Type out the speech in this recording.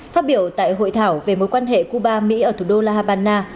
phát biểu tại hội thảo về mối quan hệ cuba mỹ ở thủ đô la habana